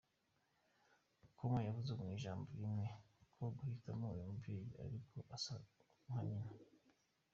com yavuze mu ijambo rimwe ko guhitamo uyu mubyeyi ari uko asa nka nyina.